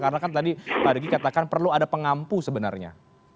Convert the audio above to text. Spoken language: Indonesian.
karena kan tadi pak dugi katakan perlu ada pengampu sebenarnya